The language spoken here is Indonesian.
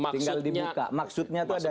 tinggal di muka maksudnya itu ada di situ